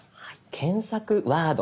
検索ワード